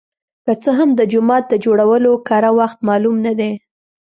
که څه هم د جومات د جوړولو کره وخت معلوم نه دی.